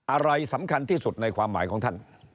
อะไรสำคัญที่สุดในความหมายของท่าน